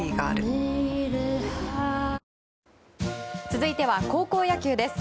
続いては高校野球です。